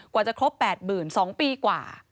กว่าจะครบแปดหมื่นสองปีกว่า